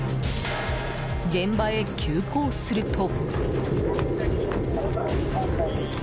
現場へ急行すると。